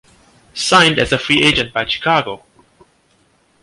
Signed as a free agent by Chicago.